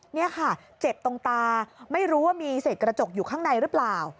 นี่ค่ะเจ็บตรงตาไม่รู้ว่ามีเศษกระจกอยู่ข้างในหรือเปล่า